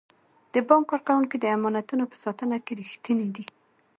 د بانک کارکوونکي د امانتونو په ساتنه کې ریښتیني دي.